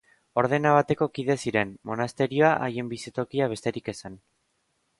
Ordena bateko kide ziren: monasterioa haien bizitokia besterik ez zen.